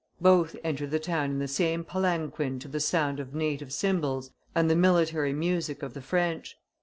Both entered the town in the same palanquin to the sound of native cymbals and the military music of the. French.